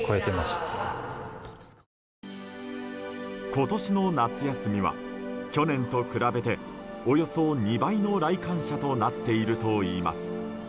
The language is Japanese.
今年の夏休みは去年と比べておよそ２倍の来館者となっているといいます。